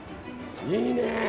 いいね！